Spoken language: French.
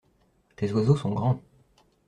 Tes oiseaux sont grands.